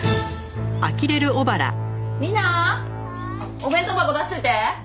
お弁当箱出しておいて。